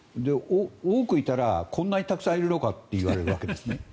多くいたらこんなにたくさんいるのかと言われるわけですね。